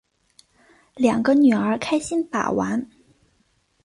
两个女儿开心把玩